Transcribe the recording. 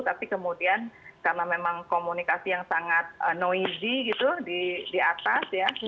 tapi kemudian karena memang komunikasi yang sangat noidi gitu di atas ya